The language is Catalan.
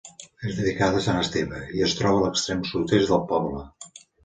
És dedicada a sant Esteve, i es troba a l'extrem sud-est del poble.